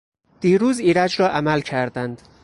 دیروز ایرج را عمل کردند.